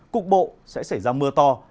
cục bộ sẽ xảy ra mưa to